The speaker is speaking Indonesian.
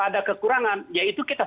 ada kekurangan yaitu kita